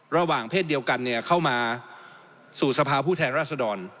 ระหว่างเพศเดียวกันเข้ามาสู่สภาพผู้แทนราษดร